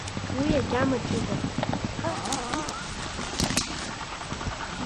Уи агьама ҷыда?